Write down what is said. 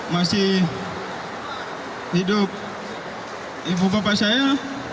masih hidup ibu bapak saya